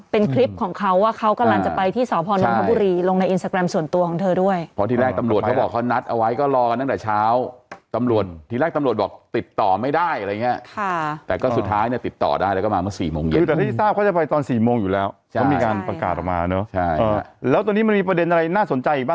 เป็นคลิปของเขาว่าเขากำลังจะไปที่สวพพอมเมืองนทบุรี